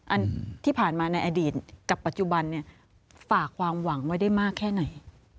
อันที่ผ่านมาในอดีตกับปัจจุบันเนี่ยฝากความหวังไว้ได้มากแค่ไหน